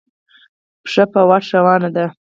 پښه په واټ روانه ده.